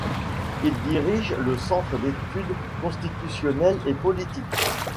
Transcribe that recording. Il dirige le Centre d’études constitutionnelles et politiques.